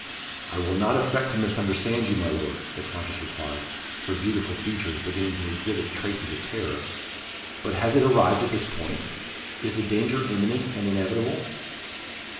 "I will not affect to misunderstand you, my Lord," the Countess replied, her beautiful features beginning to exhibit traces of terror. "But has it arrived at this point? Is the danger imminent and inevitable?"